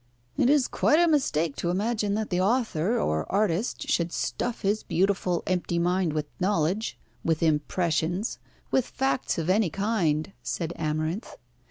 "It is quite a mistake to imagine that the author or the artist should stuff his beautiful, empty mind with knowledge, with impressions, with facts of any kind," said Amarinth.